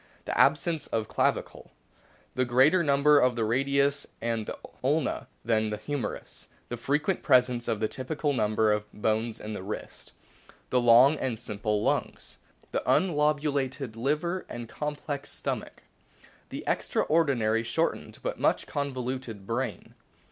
The absence of clavicle. The Greater lenp th of the radius and the ulna than o o the humerus. The frequent presence of the typical number of bones in wrist. The long and simple lungs. The unlobulated liver and complex stomach. The extraordinarily shortened, but much convoluted, brain.